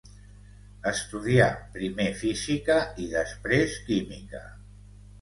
Estudià primer física i després química.